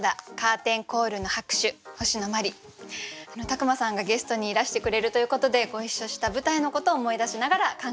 宅間さんがゲストにいらしてくれるということでご一緒した舞台のことを思い出しながら考えました。